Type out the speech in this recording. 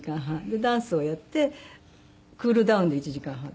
でダンスをやってクールダウンで１時間半。